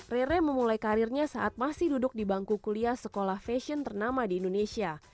rere memulai karirnya saat masih duduk di bangku kuliah sekolah fashion ternama di indonesia